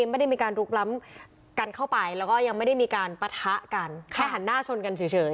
ไม่ได้มีการลุกล้ำกันเข้าไปแล้วก็ยังไม่ได้มีการปะทะกันแค่หันหน้าชนกันเฉย